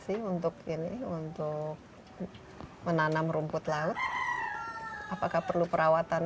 sih untuk ini untuk menanam rumput laut apakah perlu perawatan